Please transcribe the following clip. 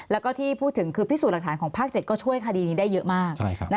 แล้วก็ที่พูดถึงคือพิสูจน์หลักฐานของภาค๗ก็ช่วยคดีนี้ได้เยอะมาก